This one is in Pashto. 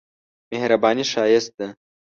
مهرباني ښايست ده.